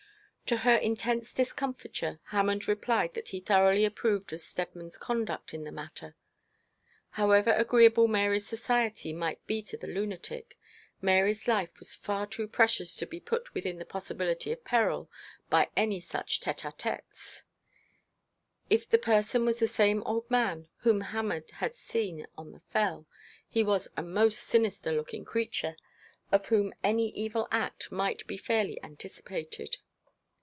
To her intense discomfiture Hammond replied that he thoroughly approved of Steadman's conduct in the matter. However agreeable Mary's society might be to the lunatic, Mary's life was far too precious to be put within the possibility of peril by any such tête à têtes. If the person was the same old man whom Hammond had seen on the Fell, he was a most sinister looking creature, of whom any evil act might be fairly anticipated.